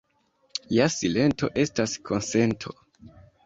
Ja silento estas konsento.